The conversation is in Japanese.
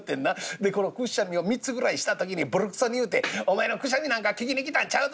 でこのくっしゃみを３つぐらいした時にボロクソに言うて『お前のくしゃみなんか聞きに来たんちゃうぞ！